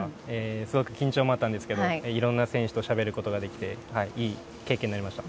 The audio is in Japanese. すごく緊張もあったんですけどいろんな選手としゃべることができていい経験になりました。